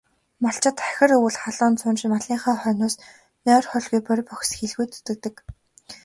Малчид хахир өвөл, халуун зун ч малынхаа хойноос нойр, хоолгүй борви бохисхийлгүй зүтгэдэг.